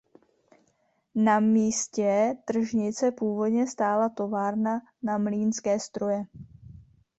Na místě tržnice původně stála továrna na mlýnské stroje.